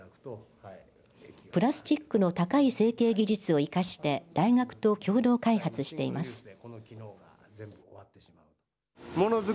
プラスチックの高い成型技術を生かして大学と共同開発しています。